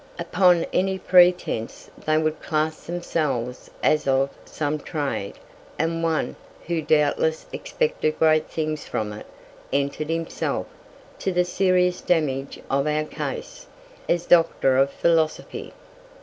Upon any pretence they would class themselves as of some trade, and one, who doubtless expected great things from it, entered himself, to the serious damage of our case, as "Doctor of Philosophy."